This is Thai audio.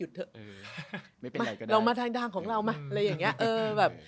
ยุทธเถอะมาเรามาทางด้านของเรามั่นอะไรอย่างนี้